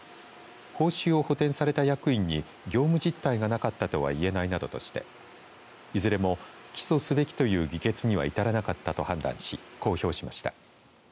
報酬を補填された役員に業務実態がなかったとは言えないなどとしていずれも起訴すべきという議決には至らなかったと判断し公表しました。